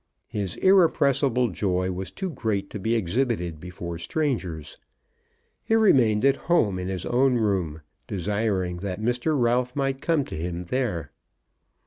His irrepressible joy was too great to be exhibited before strangers. He remained at home, in his own room, desiring that Mr. Ralph might come to him there.